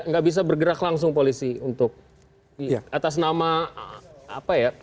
nggak bisa bergerak langsung polisi untuk atas nama apa ya